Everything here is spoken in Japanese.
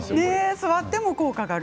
座っても効果がある。